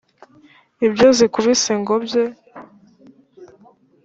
ibyo zikubise ngo bwe